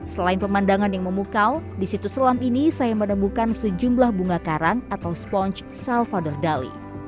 selain pemandangan yang memukau di situs selam ini saya menemukan sejumlah bunga karang atau sponge salvador dali